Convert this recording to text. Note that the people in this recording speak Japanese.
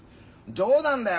冗談だよ。